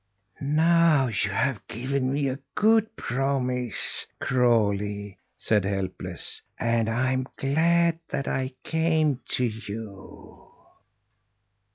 "Now you have given me a good promise, Crawlie," said Helpless, "and I'm glad that I came to you."